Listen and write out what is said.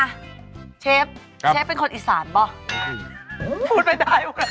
อ่ะเชฟเป็นคนอิสานบ่ะพูดไปดาย